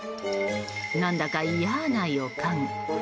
何だか嫌な予感。